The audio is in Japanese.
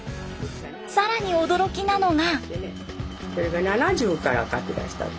更に驚きなのが。